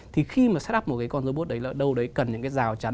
thì khi mà start up một cái con robot đấy là đâu đấy cần những cái rào chắn